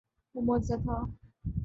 وہ معجزہ تھا۔